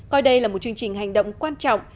coi đây là một chương trình hành động quan trọng